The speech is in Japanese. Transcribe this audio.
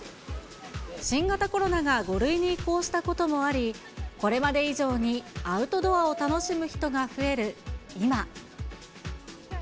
新型コロナが５類に移行したこともあり、これまで以上にアウトドアを楽しむ人が増える今。